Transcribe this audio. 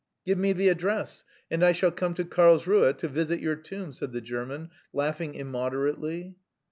"Give me the address and I shall come to Karlsruhe to visit your tomb," said the German, laughing immoderately.